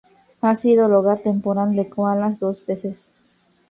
Ha sido el hogar temporal de koalas dos veces.